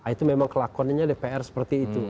itu memang kelakonannya dpr seperti itu